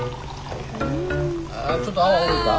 あちょっと泡多いか。